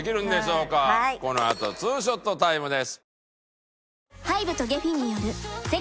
このあと２ショットタイムです。